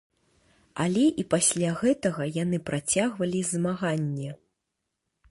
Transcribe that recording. Але і пасля гэтага яны працягвалі змаганне.